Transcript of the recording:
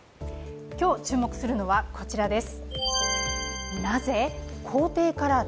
今日注目するのはこちらです。